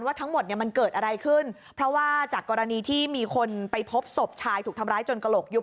ทั้งหมดเนี่ยมันเกิดอะไรขึ้นเพราะว่าจากกรณีที่มีคนไปพบศพชายถูกทำร้ายจนกระโหลกยุบ